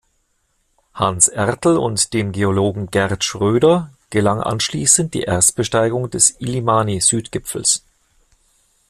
Hans Ertl und dem Geologen Gert Schröder gelang anschließend die Erstbesteigung des Illimani-Südgipfels.